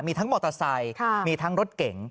มีทั้งมอเตอร์ไซค์มีทั้งรถเก๋ง